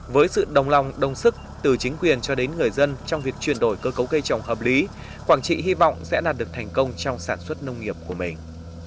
với sự đồng lòng đồng sức từ chính quyền cho đến người dân trong việc chuyển đổi cơ cấu cây trồng hợp lý quảng trị hy vọng sẽ đạt được thành công trong sản xuất nông nghiệp của mình